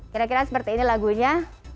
kira kira seperti ini lagunya